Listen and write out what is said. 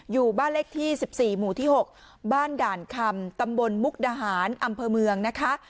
อยู่บ้านเลขที่๑๔หมู่ที่๖บ้านด่านคำตำบลมุกดาหารอำเภอเมืองนะคะ